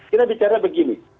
kita bicara begini